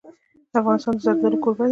افغانستان د زردالو کوربه دی.